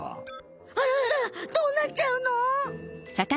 あらあらどうなっちゃうの？